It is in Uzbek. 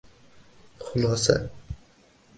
Xulosa